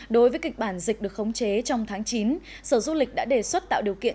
đối với kịch bản dịch được khống chế trong tháng chín sở du lịch đã đề xuất tạo điều kiện